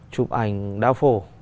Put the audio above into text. chụp ảnh đao phổ